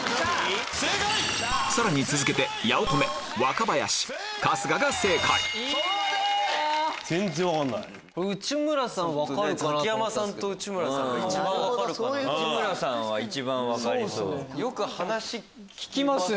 さらに続けて内村さんは一番分かりそう。